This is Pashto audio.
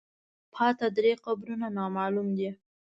پاتې درې قبرونه نامعلوم دي.